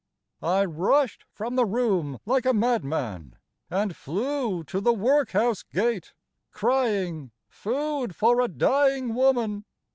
" I rushed from the room like a madman. And flew to the workhouse gate, Crying, * Food for a dying woman